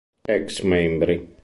Ex membri